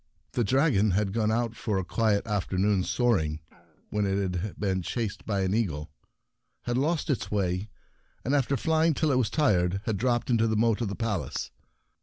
The dragon had gone out for a quiet after noon's soaring, when it had been chased by an eagle, had lost its way, and, after flying till it was tired, had dropped into the moat of the Palace.